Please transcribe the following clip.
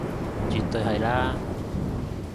絕對係啦